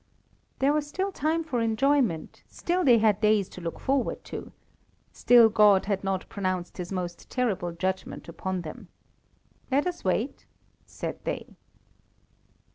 There was still time for enjoyment; still they had days to look forward to. Still God had not pronounced His most terrible judgment upon them. "Let us wait!" said they.